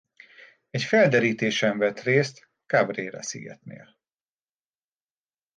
Egy felderítésen vett részt Cabrera szigetnél.